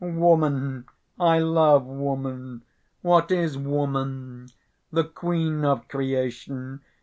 "Woman, I love woman! What is woman? The queen of creation!